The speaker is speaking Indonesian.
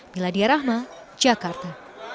miladia rahma jakarta